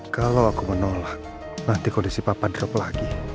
kalau aku menolak nanti kondisi papa drop lagi